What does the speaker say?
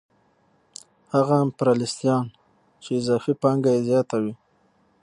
هغه امپریالیستان چې اضافي پانګه یې زیاته وي